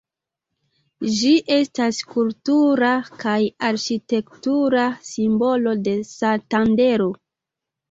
Ĝi estas kultura kaj arĥitektura simbolo de Santandero.